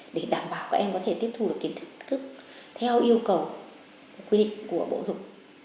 để đảm bảo các em có thể tiếp thu được kiến thức theo yêu cầu quy định của bộ dục